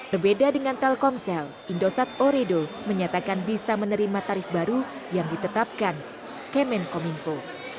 berbeda dengan telkomsel indosat oredo menyatakan bisa menerima tarif baru yang ditetapkan kemenkominfo